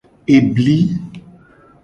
Ebi.